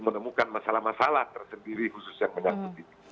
menemukan masalah masalah tersendiri khusus yang banyak seperti itu